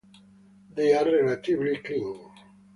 They are relatively clean.